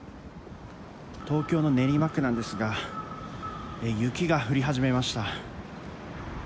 東京の練馬区なんですが雪が降り始めました。